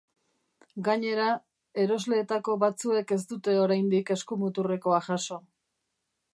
Gainera, erosleetako batzuek ez dute oraindik eskumuturrekoa jaso.